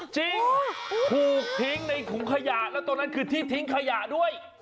จริงถูกทิ้งในถุงขยะแล้วตรงนั้นคือที่ทิ้งขยะด้วย